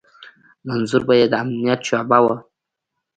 منظور به يې د امنيت شعبه وه.